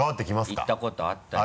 行ったことあったり。